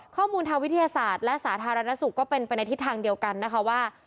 ข้อมูลทางวิทยาศาสตร์และสาธารณสุขก็เป็นไปในทิศทางเดียวกันนะคะว่า